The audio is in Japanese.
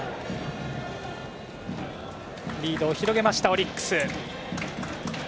リードを広げましたオリックス。